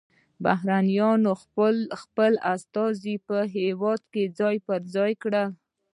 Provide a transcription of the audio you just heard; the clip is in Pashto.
بهرنیانو خپل استازي په هیواد کې ځای پر ځای کړي